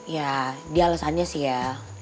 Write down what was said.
ya dia alasannya sih ya